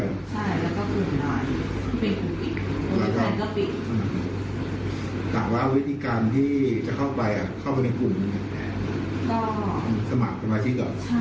นี่โอนตังค์สมัครมีค่าสมัครมั้ยมี